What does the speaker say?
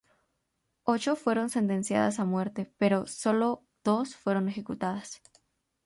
Ocho fueron sentenciadas a muerte pero sólo dos fueron ejecutadas.